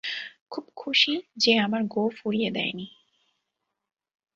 খুব খুশি যে আমার গোঁফ উড়িয়ে দেয়নি।